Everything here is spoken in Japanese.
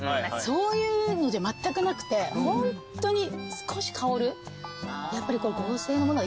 そういうのじゃまったくなくてホントに少し香るやっぱり。